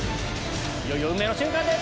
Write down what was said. いよいよ運命の瞬間です！